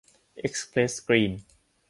เอ็กซ์เพรสสกรีน